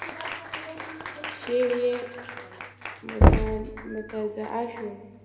شعر يې متنازعه شو.